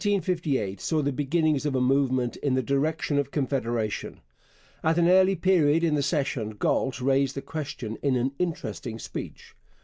The year 1858 saw the beginnings of a movement in the direction of Confederation. At an early period in the session Galt raised the question in an interesting speech.